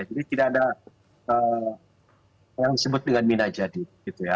jadi tidak ada yang disebut dengan mina jadid